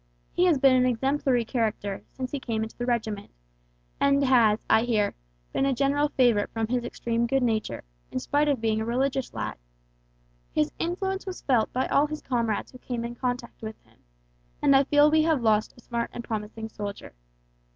He has been an exemplary character since he came into the regiment, and has, I hear, been a general favorite from his extreme good nature, in spite of being a religious lad. His influence was felt by all his comrades who came in contact with him, and I feel we have lost a smart and promising soldier.